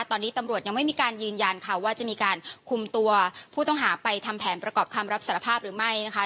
ตอนนี้ตำรวจยังไม่มีการยืนยันค่ะว่าจะมีการคุมตัวผู้ต้องหาไปทำแผนประกอบคำรับสารภาพหรือไม่นะคะ